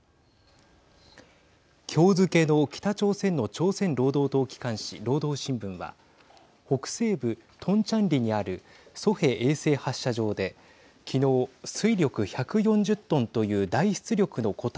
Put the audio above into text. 今日付けの北朝鮮の朝鮮労働党機関紙、労働新聞は北西部トンチャンリにあるソヘ衛星発射場で昨日推力１４０トンという大出力の固体